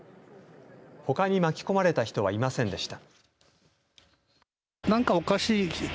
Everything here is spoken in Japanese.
ほかに巻き込まれた人はいませんでした。